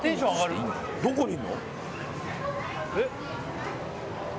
どこにいるの？